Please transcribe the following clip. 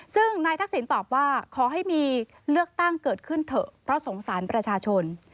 ซึ่งนายทักษิณตอบว่าขอให้มีเลือกตั้งเกิดขึ้นเถอะเพราะสงสารประชาชน